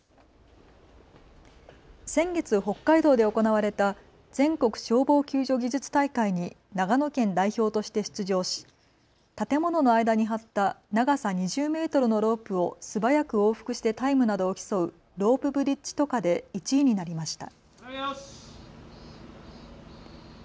先月、北海道で行われた全国消防救助技術大会に長野県代表として出場し建物の間に張った長さ２０メートルのロープを素早く往復してタイムなどを競うロープブリッジ渡過で１位になりました。